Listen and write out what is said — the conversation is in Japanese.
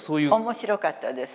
面白かったです。